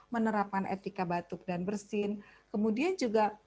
menerapkan etika batuk dan bersin kemudian juga